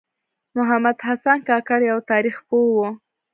محمد حسن کاکړ یوه تاریخ پوه و .